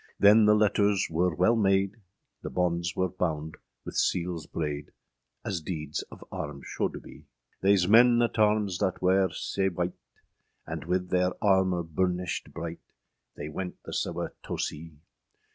â Then the lettres wer wele made, The bondes wer bounde wyth seales brade, As deeds of arms sholde bee. Theise men at arms thatte wer sea wight, And wyth theire armour burnished bryght, They went the sewe toe see.